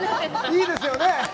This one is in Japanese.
いいですよね。